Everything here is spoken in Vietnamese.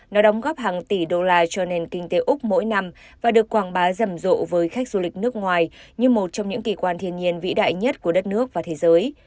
nó đóng góp hàng tỷ đô la cho nền kinh tế úc mỗi năm và được quảng bá rầm rộ với khách du lịch nước ngoài như một trong những kỳ quan thiên nhiên vĩ đại nhất của đất nước và thế giới